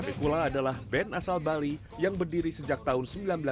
tapi pula adalah band asal bali yang berdiri sejak tahun seribu sembilan ratus sembilan puluh